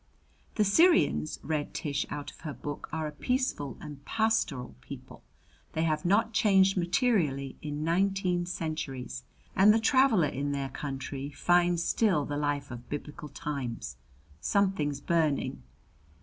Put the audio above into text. "'The Syrians,'" read Tish out of her book, "'are a peaceful and pastoral people. They have not changed materially in nineteen centuries, and the traveler in their country finds still the life of Biblical times.' Something's burning!"